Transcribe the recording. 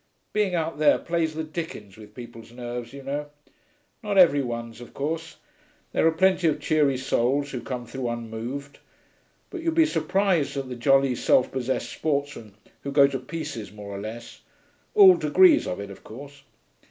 Being out there plays the dickens with people's nerves, you know. Not every one's, of course; there are plenty of cheery souls who come through unmoved; but you'd be surprised at the jolly, self possessed sportsmen who go to pieces more or less all degrees of it, of course.